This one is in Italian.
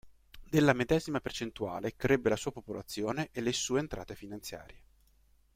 Della medesima percentuale crebbe la sua popolazione e le sue entrate finanziarie.